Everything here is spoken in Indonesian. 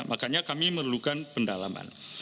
makanya kami merlukan pendalaman